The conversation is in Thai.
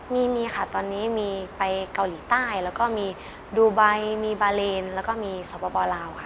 มีมีค่ะตอนนี้มีไปเกาหลีใต้แล้วก็มีดูไบมีบาเลนแล้วก็มีสปลาวค่ะ